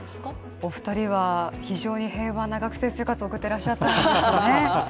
お二人は非常に平和な学生生活を送ってらっしゃったんですね。